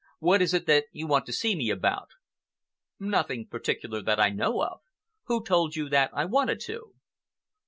"What is it that you want to see me about?" "Nothing particular that I know of. Who told you that I wanted to?"